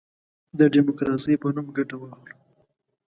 د ډیموکراسی په نوم ګټه واخلو.